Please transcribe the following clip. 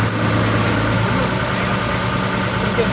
สวัสดีครับ